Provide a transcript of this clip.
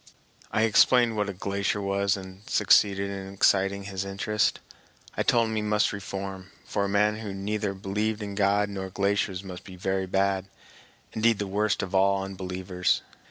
I explained what a glacier was and succeeded in exciting his interest. I told him he must reform, for a man who neither believed in God nor glaciers must be very bad, indeed the worst of all unbelievers.